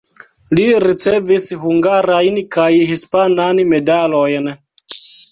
Li ricevis hungarajn kaj hispanan medalojn.